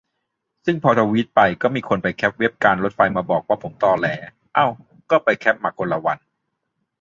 ซึ่งพอทวีตไป ก็มีคนไปแคปเว็บการรถไฟมาบอกว่าผมตอแหล เอ้า ก็ไปแคปมาคนละวัน